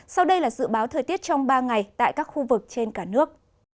sau đây là dự báo thời tiết trong ba ngày tại các khu vực trên cả nước